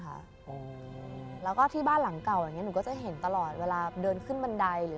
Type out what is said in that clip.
อเจมส์แล้วก็ที่บ้านหลังเก่าที่หนูก็จะเห็นเวลาเดินขึ้นบันได